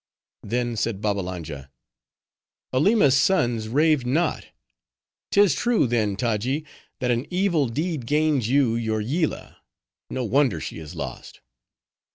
Then said Babbalanja, "Aleema's sons raved not; 'tis true, then, Taji, that an evil deed gained you your Yillah: no wonder she is lost."